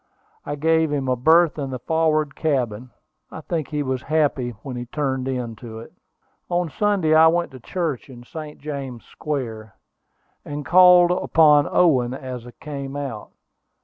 I gave him a berth in the forward cabin. I think he was happy when he turned into it. On Sunday I went to church in St. James Square, and called upon Owen as I came out.